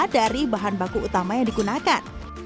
dari bahan baku utama yang digunakan